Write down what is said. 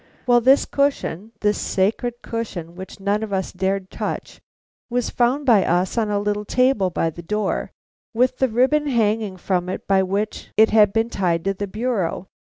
Well, this cushion, this sacred cushion which none of us dared touch, was found by us on a little table by the door, with the ribbon hanging from it by which it had been tied to the bureau.